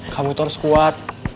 kamu itu harus kuat